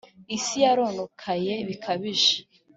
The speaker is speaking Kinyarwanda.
Isi yarononekaye bikabije